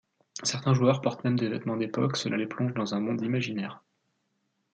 Certains joueurs portent même des vêtements d’époque, cela les plonge dans un monde imaginaire.